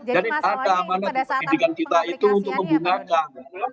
jadi masalahnya pada saat pengelolaan pendidikan kita itu untuk membungakan